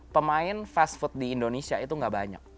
pemain fast food di indonesia itu gak banyak